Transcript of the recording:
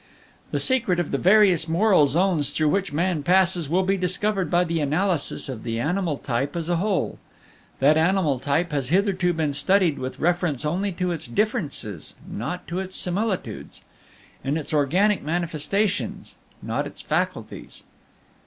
The secret of the various moral zones through which man passes will be discovered by the analysis of the animal type as a whole. That animal type has hitherto been studied with reference only to its differences, not to its similitudes; in its organic manifestations, not in its faculties.